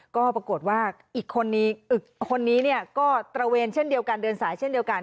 ก็ปรากฏว่าอีกคนนี้ก็ตระเวนเดินสายเช่นเดียวกัน